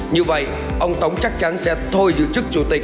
như vậy ông tống chắc chắn sẽ thôi giữ chức chủ tịch